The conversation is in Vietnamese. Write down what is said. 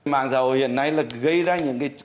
mạng xã hội hiện nay là gây ra những câu chuyện